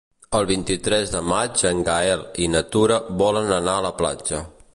El vint-i-tres de maig en Gaël i na Tura volen anar a la platja.